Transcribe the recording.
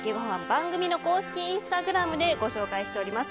番組の公式インスタグラムでご紹介しております。